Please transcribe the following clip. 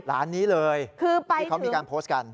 ร้านนี้เลยคือเขามีการโพสต์กัน